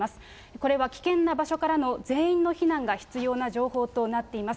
これは危険な場所からの全員の避難が必要な情報となっています。